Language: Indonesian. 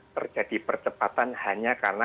terjadi percepatan hanya karena